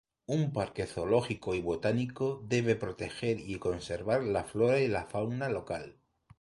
Un parque zoológico y botánico debe proteger y conservar la flora y fauna local.